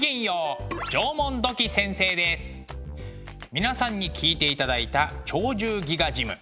皆さんに聴いていただいた「鳥獣戯画ジム」。